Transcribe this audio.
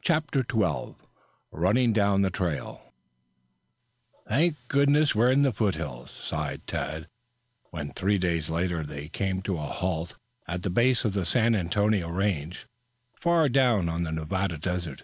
CHAPTER XII RUNNING DOWN THE TRAIL "Thank goodness, we're in the foothills," sighed Tad, when three days later they came to a halt at the base of the San Antonio Range far down on the Nevada Desert.